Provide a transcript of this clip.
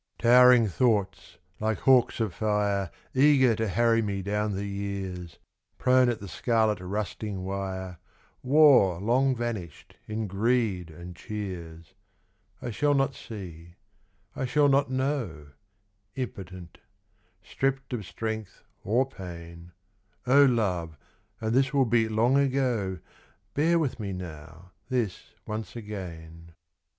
Towering thoughts like hawks of fire Eager to harry me down the years, — Prone at the scarlet rusting wire, War long vanished in greed and cheers, I shall not see, I shall not know, Impotent, stripped of strength or pain, O love, and this will be long ago, Bear with me now, this once again.